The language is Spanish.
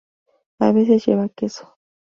A veces lleva queso.